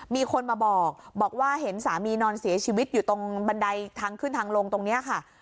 มีคนมาบอกบอกว่าเห็นสามีนอนเสียชีวิตอยู่ตรงบันไดทางขึ้นทางลงตรงนี้ค่ะ